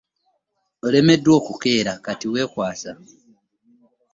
Olemeddwa okukeera kati weekwasa.